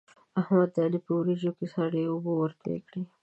احمد د علي په وريجو کې سړې اوبه ورتوی کړې.